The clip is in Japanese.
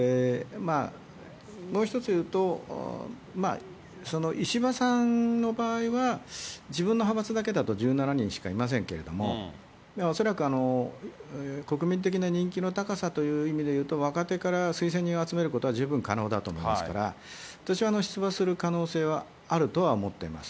もう一つ言うと、まあ、石破さんの場合は、自分の派閥だけだと１７人しかいませんけれども、恐らく国民的な人気の高さで言うと、若手から推薦人を集めることは十分可能だと思いますから、私は出馬する可能性はあるとは思っています。